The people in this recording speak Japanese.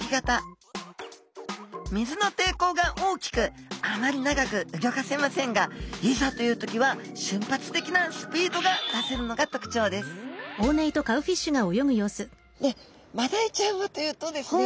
水のていこうが大きくあまり長くうギョかせませんがいざという時は瞬発的なスピードが出せるのが特徴ですマダイちゃんはというとですね